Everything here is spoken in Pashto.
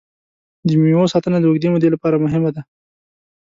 د مېوو ساتنه د اوږدې مودې لپاره مهمه ده.